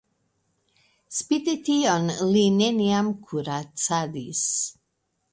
Spite tion li neniam kuracadis.